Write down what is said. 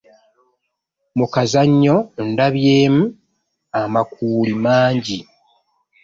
Mu kazannyo ndabyemu amakuuli mangi.